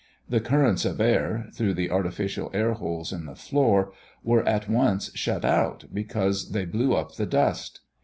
The currents of air, through the artificial air holes in the floor, were at once shut out, because they blew up the dust.